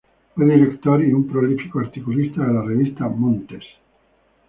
Fue director y un prolífico articulista de la Revista Montes.